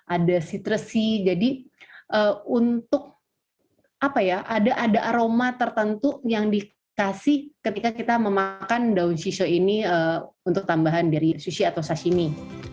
ada si tracy jadi untuk apa ya ada aroma tertentu yang dikasih ketika kita memakan daun shisho ini untuk tambahan dari sushi atau sashimi